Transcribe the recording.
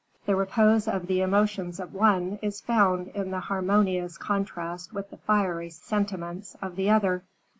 The repose of the emotions of one is found in harmonious contrast with the fiery sentiments of the other.